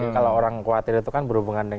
kalau orang khawatir itu kan berhubungan dengan